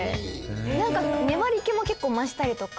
なんか粘り気も結構増したりとか。